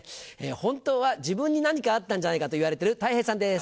本当は自分に何かあったんじゃないかといわれてるたい平さんです。